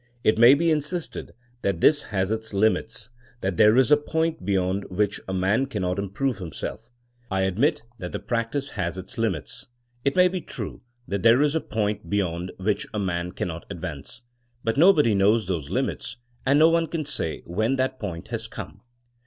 It may be insisted that this has its limits ; that there is a point beyond which a man cannot improve himself. I admit that practice has its limits. It may be true that there is a point be yond which a man cannot advance. But no body knows those limits and no one can say when that point has come.